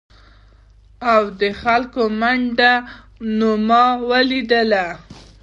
او د خلکو منډه نو ما ولیدله ؟